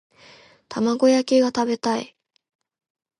玉子焼きが食べたい